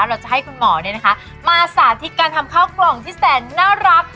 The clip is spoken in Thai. เราจะให้คุณหมอมาสาธิตการทำข้าวกล่องที่แสนน่ารัก